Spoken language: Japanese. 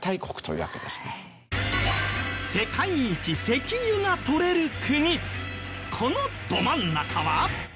世界一石油が採れる国このど真ん中は。